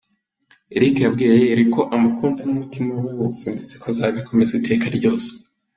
Eric yabwiye Yayeli ko amukunda n’umutima we wose ndetse ko azabikomeza iteka ryose.